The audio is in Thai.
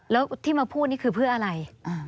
แล้วที่มาพูดนี่คือเพื่ออะไร